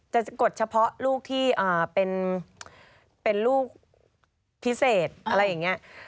จะกดเฉพาะลูกที่เป็นลูกพิเศษอะไรอย่างนี้